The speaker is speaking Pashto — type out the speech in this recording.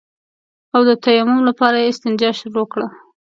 او د تيمم لپاره يې استنجا شروع کړه.